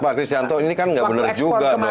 pak grisanto ini kan enggak benar juga